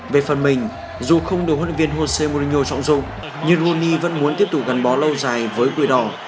về phần mình dù không được huấn luyện viên jose morino trọng dụng nhưng roni vẫn muốn tiếp tục gắn bó lâu dài với quy đỏ